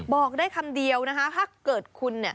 บอกได้คำเดียวนะคะถ้าเกิดคุณ